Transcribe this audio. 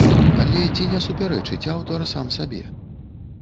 Але ці не супярэчыць аўтар сам сабе?